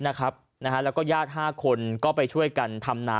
แล้วก็ญาติ๕คนก็ไปช่วยกันทำนา